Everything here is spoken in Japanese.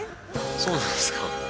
⁉そうなんですか？